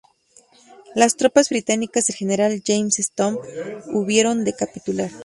Las tropas británicas del general James Stanhope hubieron de capitular.